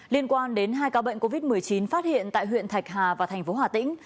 liên quan đến hai ca bệnh covid một mươi chín phát hiện tại huyện thạch hà và thành phố hà tĩnh